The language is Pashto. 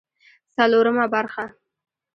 څلورمه برخه